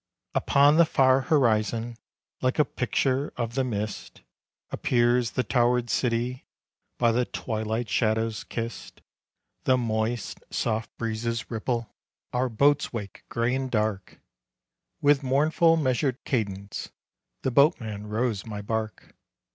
Upon the far horizon Like a picture of the mist, Appears the towered city By the twilight shadows kissed. The moist, soft breezes ripple Our boat's wake gray and dark, With mournful measured cadence The boatman rows my bark.